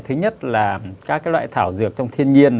thứ nhất là các loại thảo dược trong thiên nhiên